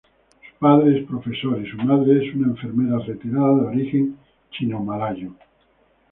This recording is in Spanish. Su padre es profesor y su madre es una enfermera retirada de origen chino-malayo.